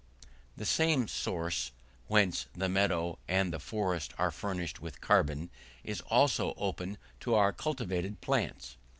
The same source whence the meadow and the forest are furnished with carbon, is also open to our cultivated plants.